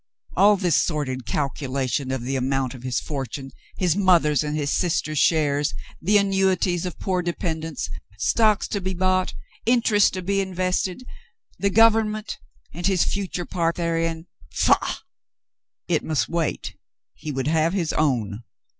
All this sordid calculation of the amount of his fortune — his mother's and sister's shares — the annuities of poor de pendents — stocks to be bought — interest to be invested — the government, and his future part therein, pah ! It must wait ! He would have his own.